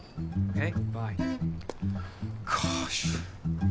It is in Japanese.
えっ？